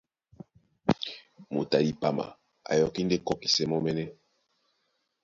Moto a dipama a yɔkí ndé kɔ́kisɛ mɔ́mɛ́nɛ́.